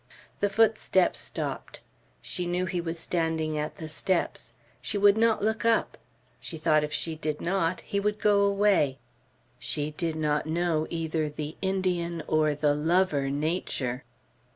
The footsteps stopped. She knew he was standing at the steps. She would not look up. She thought if she did not, he would go away. She did not know either the Indian or the lover nature.